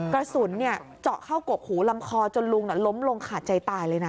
กระสุนเจาะเข้ากกหูลำคอจนลุงล้มลงขาดใจตายเลยนะ